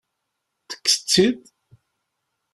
Tekkseḍ-tt-id?